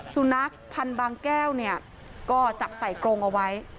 สุนัขพันธุ์บางแก้วเนี่ยก็จับใส่กรงเอาไว้